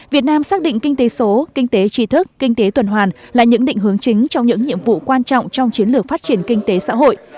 việt nam xác định kinh tế số kinh tế trí thức kinh tế tuần hoàn là những định hướng chính trong những nhiệm vụ quan trọng trong chiến lược phát triển kinh tế xã hội